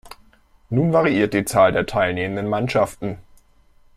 Nun variiert die Zahl der teilnehmenden Mannschaften.